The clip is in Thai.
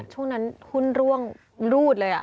ช่วงนั้นหุ้นร่วงรูดเลย